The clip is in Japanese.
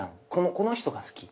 この人が好き。